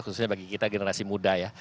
khususnya bagi kita generasi muda ya